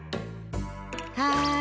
はい。